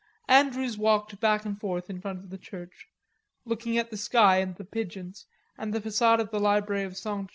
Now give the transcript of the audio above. Andrews walked back and forth in front of the church, looking at the sky and the pigeons and the facade of the Library of Ste.